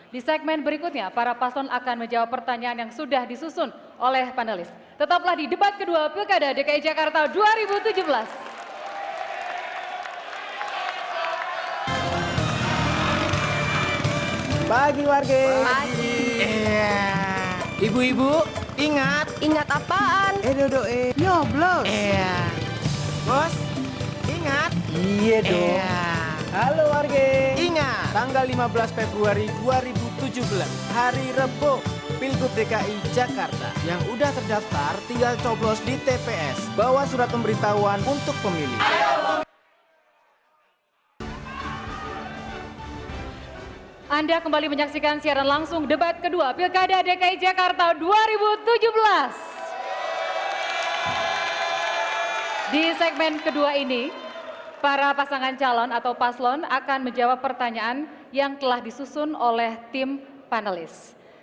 di segmen kedua ini para pasangan calon atau paslon akan menjawab pertanyaan yang telah disusun oleh tim panelis